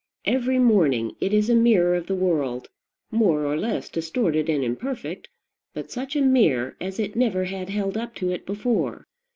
Every morning it is a mirror of the world, more or less distorted and imperfect, but such a mirror as it never had held up to it before.